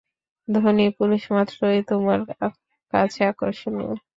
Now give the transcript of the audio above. ধনী পুরুষ মাত্রই তোমার কাছে আকর্ষণীয়।